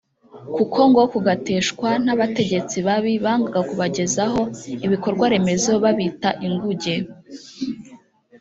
kuko ngo kugateshwa n’abategetsi babi bangaga kubagezaho ibikorwaremezo babita ingunge